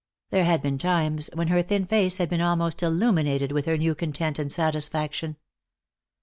There had been times when her thin face had been almost illuminated with her new content and satisfaction.